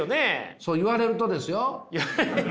そう言われるとですよ？